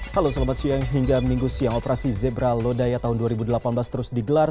halo selamat siang hingga minggu siang operasi zebra lodaya tahun dua ribu delapan belas terus digelar